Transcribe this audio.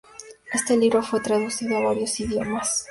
Este libro fue traducido a varios idiomas.